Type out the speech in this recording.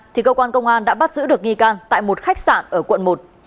thì cơ quan công an đã bắt giữ được nghi can tại một khách sạn ở quận một